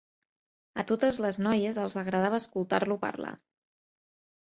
A totes les noies els agradava escoltar-lo parlar.